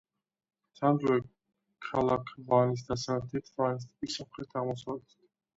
თანამედროვე ქალაქ ვანის დასავლეთით, ვანის ტბის სამხრეთ-აღმოსავლეთით.